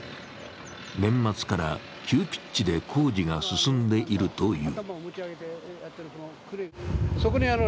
年末から急ピッチで工事が進んでいるという。